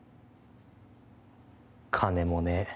金もねえ